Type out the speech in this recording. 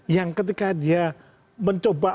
yang ketika dia mencoba